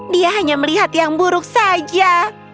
dia hanya melihat yang buruk saja